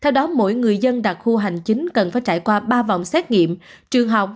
mỗi người dân đặc khu hành chính cần phải trải qua ba vòng xét nghiệm trường học